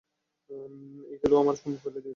এই কিলি, ও আমার ফোন ফেলে দিয়েছে!